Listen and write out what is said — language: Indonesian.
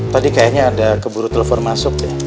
tadi kayaknya ada keburu telepon masuk ya